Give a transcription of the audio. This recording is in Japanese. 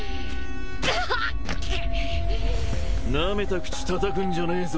なめた口たたくんじゃねえぞ